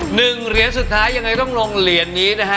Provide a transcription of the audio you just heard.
หนึ่งเหรียญสุดท้ายยังไงต้องลงเหรียญนี้นะฮะ